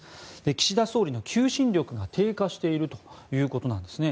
岸田総理の求心力が低下しているということなんですね。